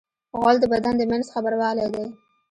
غول د بدن د منځ خبروالی دی.